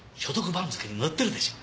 番付に載ってるでしょ。